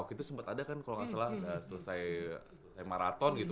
itu sempet ada kan kalau gak salah selesai maraton gitu